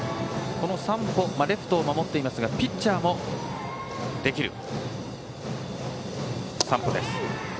この山保はレフトを守っていますがピッチャーもできます。